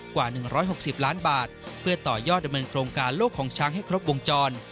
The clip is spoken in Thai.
กว่า๑๖๐ล้านบาทเพื่อต่อยอดดำเนินโครงการโลกของช้างให้ครบวงจร